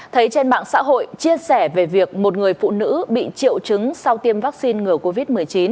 thấy trên mạng xã hội chia sẻ về việc một người phụ nữ bị triệu chứng sau tiêm vaccine ngừa covid một mươi chín